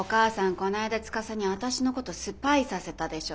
こないだ司に私のことスパイさせたでしょ？